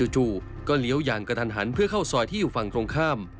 จู่ก็เลี้ยวอย่างกระทันหันเพื่อเข้าซอยที่อยู่ฝั่งตรงข้าม